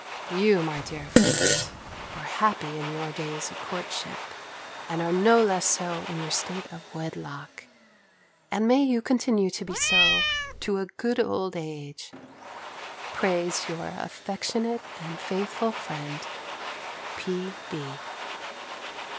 You, my dear friend, were happy in your days of courtship, and are no less so in your state of wedlock. And may you continue to be so to a good old age, prays your affectionate and faithful friend, P.B.